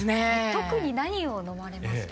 特に何を飲まれますか？